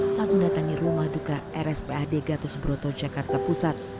saat mendatangi rumah duka rspad gatus broto jakarta pusat